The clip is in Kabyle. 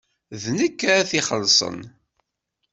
D nekk ad ixellṣen.